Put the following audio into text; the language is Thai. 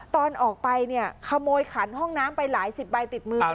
ตอนออกไปขโมยขันห้องน้ำไปหลายสิบใบติดมือไปด้วย